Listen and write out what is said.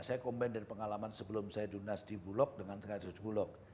saya kombin dari pengalaman sebelum saya di rut bulog dengan sekarang di rut bulog